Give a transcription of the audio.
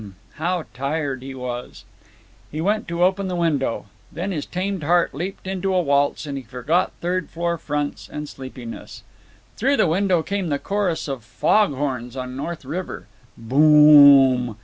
How tired he was! He went to open the window. Then his tamed heart leaped into a waltz, and he forgot third floor fronts and sleepiness. Through the window came the chorus of fog horns on North River. "Boom m m!"